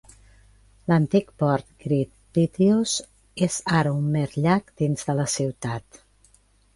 L'antic port "Great Pityus" és ara un mer llac dins de la ciutat.